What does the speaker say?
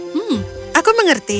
hmm aku mengerti